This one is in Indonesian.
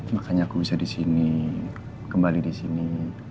makanya aku bisa di sini kembali di sini